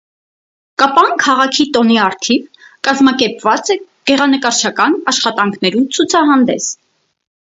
Կապան քաղաքի տօնի առթիւ կազմակերպուած է գեղանկարչական աշխատանքներու ցուցահանդէս։